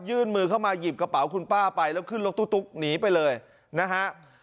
ยื่นมือเข้ามาหยิบกระเป๋าคุณป้าไปแล้วขึ้นรถตุ๊กหนีไปเลยนะฮะ